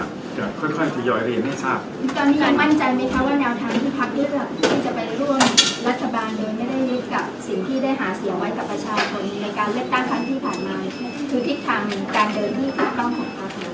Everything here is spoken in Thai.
ในการเลือกตามทั้งที่ผ่านมาคือทิศทางการเดินที่ต้องขอบพลักษณ์